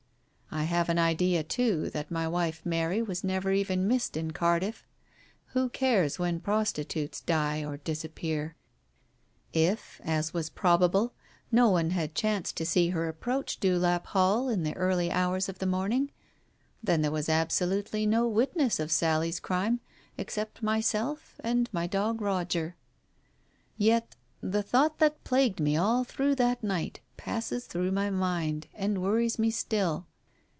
I have an idea too that my wife Mary was never even missed in Cardiff — who cares when prostitutes die or disappear ? If, as was probable, no one had chanced to see her approach Dewlap Hall in the early hours of the morning, then there was absolutely no witness of Sally's crime except myself and my dog Roger* Yet, the thought that plagued me all through that night passes through my mind, and worries me still.